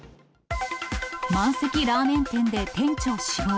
満席ラーメン店で店長死亡。